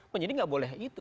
menjadi gak boleh itu